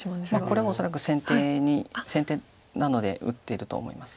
これは恐らく先手なので打ってると思います。